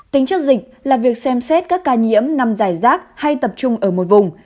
tính chất dịch là việc xem xét các ca nhiễm nằm dài rác hay tập trung ở một vùng